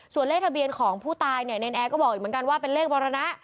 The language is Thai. ส่วนเลขทะเบียนของผู้ตายเนี่ยเนรนแอร์ก็บอกอีกเหมือนกันว่าเป็นเลขมรณะ